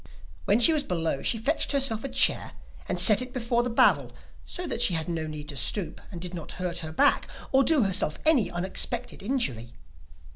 When she was below she fetched herself a chair, and set it before the barrel so that she had no need to stoop, and did not hurt her back or do herself any unexpected injury.